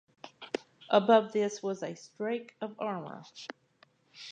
Above this was a strake of armour.